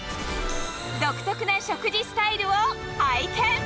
独特な食事スタイルを拝見！